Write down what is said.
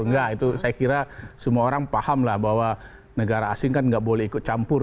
enggak itu saya kira semua orang paham lah bahwa negara asing kan nggak boleh ikut campur